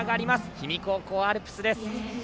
氷見高校アルプスです。